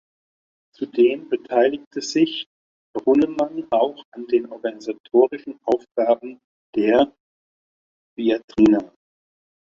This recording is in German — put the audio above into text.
Zudem beteiligte sich Brunnemann auch an den organisatorischen Aufgaben der Viadrina.